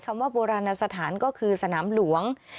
คำว่าโบราณสถานก็คือสนามหลวง